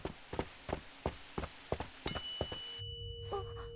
あっ。